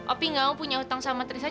opi gak mau punya hutang sama tristan